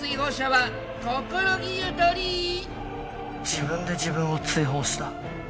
自分で自分を追放した。